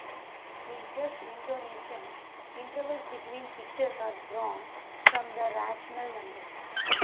In just intonation, intervals between pitches are drawn from the rational numbers.